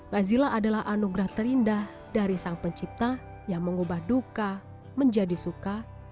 nazila adalah anugerah terindah dari sang pencipta yang mengubah duka menjadi suka